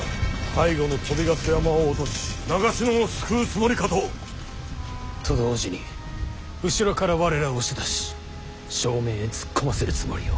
背後の鳶ヶ巣山を落とし長篠を救うつもりかと。と同時に後ろから我らを押し出し正面へ突っ込ませるつもりよ。